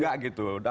jangan salah orang